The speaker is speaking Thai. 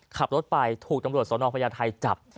ขับรถไปถูกตำรวจสนพญาไทยจับ